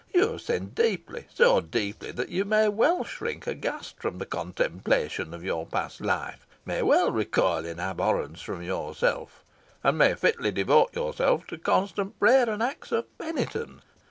You have sinned deeply, so deeply that you may well shrink aghast from the contemplation of your past life may well recoil in abhorrence from yourself and may fitly devote yourself to constant prayer and acts of penitence.